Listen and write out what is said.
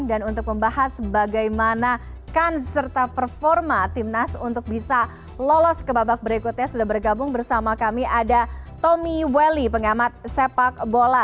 dan untuk membahas bagaimana kans serta performa tim nas untuk bisa lolos ke babak berikutnya sudah bergabung bersama kami ada tommy welly pengamat sepak bola